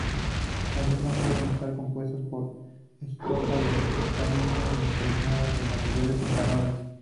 Las mismas suelen estar compuestas por estopa de cáñamo impregnada de materiales inflamables.